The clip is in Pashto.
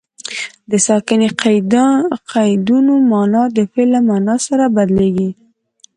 د ساکني قیدونو مانا د فعل له مانا سره بدلیږي.